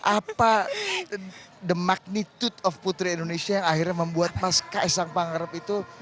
apa the magnitude of putri indonesia yang akhirnya membuat mas ks sang panggarep itu